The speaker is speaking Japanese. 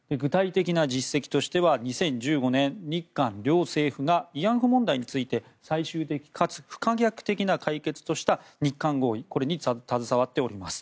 具体的な実績としては２０１５年日韓慰安婦問題について最終的かつ不可逆的な解決とした日韓合意に携わっております。